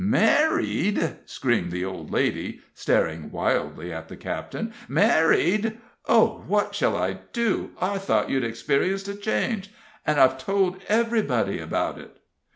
"Married!" screamed the old lady, staring wildly at the captain "married! Oh, what shall I do? I thought you'd experienced a change! And I've told everybody about it!"